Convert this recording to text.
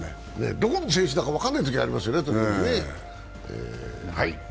どこの選手だか分からないときありますよね、時々ね。